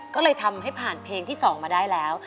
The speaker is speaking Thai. ก็เลยทำให้ผ่านเพลงที่๒มาได้แล้ว